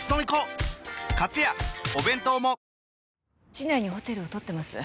市内にホテルを取ってます。